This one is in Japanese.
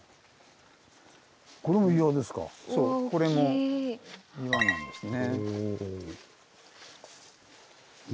そうこれも岩なんですね。